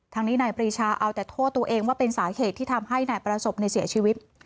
นี้นายปรีชาเอาแต่โทษตัวเองว่าเป็นสาเหตุที่ทำให้นายประสบในเสียชีวิต